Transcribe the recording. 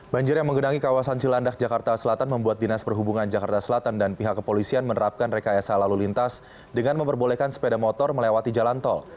banjir yang menggenangi kawasan cilandak jakarta selatan membuat dinas perhubungan jakarta selatan dan pihak kepolisian menerapkan rekayasa lalu lintas dengan memperbolehkan sepeda motor melewati jalan tol